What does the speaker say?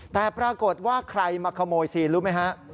แต่ปรากฏว่าใครมาขโมยซีนรู้ไหมฮะ